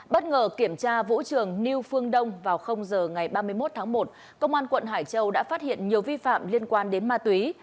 bất ngờ kiểm tra vũ trường new phương đông vào h ngày ba mươi một tháng một công an quận hải châu đã phát hiện nhiều vi phạm liên quan đến ma túy